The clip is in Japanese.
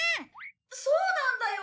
そうなんだよ！